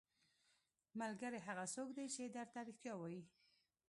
ملګری هغه څوک دی چې درته رښتیا وايي.